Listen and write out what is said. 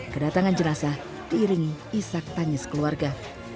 kedatangan jenasa diiringi isak tanyas keluarga